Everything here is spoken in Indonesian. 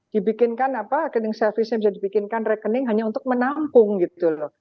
dibikinkan apa rekening service nya bisa dibikinkan rekening hanya untuk menampung gitu loh